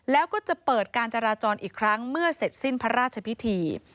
แล้วก็จะเปิดการจราจรอีกครั้งเมื่อเสร็จสิ้นพระราชพิธี